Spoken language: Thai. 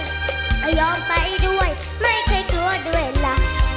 ก็ยอมไปด้วยไม่เคยกลัวด้วยล่ะ